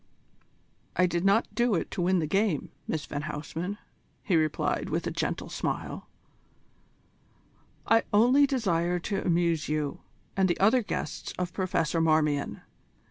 "I did not do it to win the game, Miss van Huysman," he replied with a gentle smile; "I only desired to amuse you and the other guests of Professor Marmion.